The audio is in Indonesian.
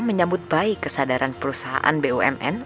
menyambut baik kesadaran perusahaan bumn